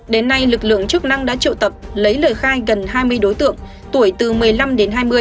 đến nay lực lượng chức năng đã triệu tập lấy lời khai gần hai mươi đối tượng tuổi từ một mươi năm đến hai mươi